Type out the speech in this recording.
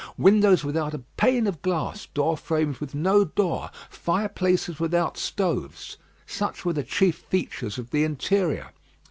Windows without a pane of glass, door frames with no door, fireplaces without stoves; such were the chief features of the interior.